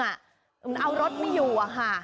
เหมือนเอารถไม่อยู่อะค่ะ